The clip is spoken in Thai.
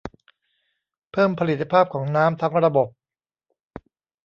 เพิ่มผลิตภาพของน้ำ ทั้งระบบ